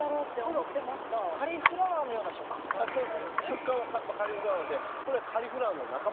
食感はカリフラワーでこれはカリフラワーの仲間です。